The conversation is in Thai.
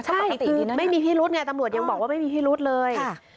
ใช่ไม่มีพิรุธไงตำรวจยังบอกว่าไม่มีพิรุธเลย